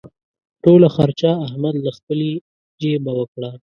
ټوله خرچه احمد له خپلې جېبه وکړه.